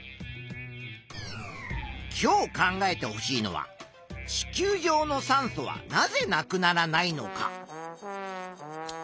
今日考えてほしいのは地球上の酸素はなぜなくならないのか。